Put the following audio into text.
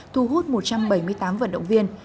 thu hút một trăm bảy mươi tám vận động viên